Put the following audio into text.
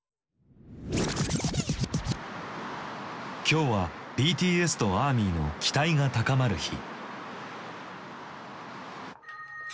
今日はＢＴＳとアーミーの期待が高まる日。